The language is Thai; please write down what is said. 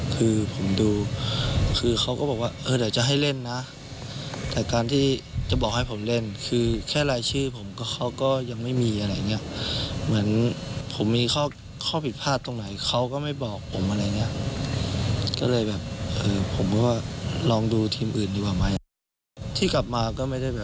คุณคุณรู้หรือยังครับ